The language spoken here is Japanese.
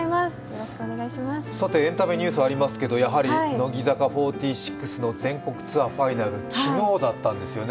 エンタメニュースありますけれども、乃木坂４６の全国ツアーファイナル、昨日だったんですよね。